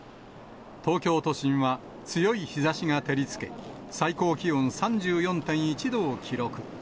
東京都心は強い日ざしが照りつけ、最高気温３４．１度を記録。